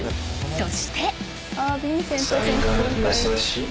そして。